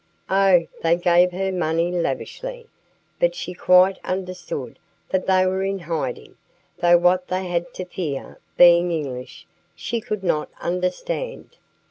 Oh! they gave her money lavishly; but she quite understood that they were in hiding, though what they had to fear, being English, she could not understand.